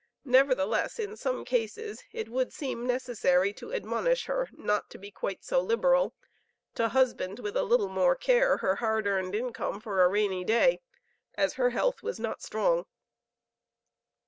Nevertheless in some cases it would seem necessary to admonish her not to be quite so liberal; to husband with a little more care her hard earned income for a "rainy day," as her health was not strong.